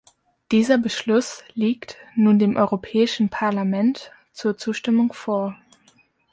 Dieser Beschluss liegt nun dem Europäischen Parlament zur Zustimmung vor.